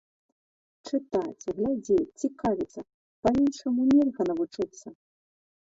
Чытаць, глядзець, цікавіцца, па-іншаму нельга навучыцца!